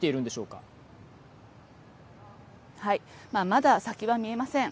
まだ先は見えません。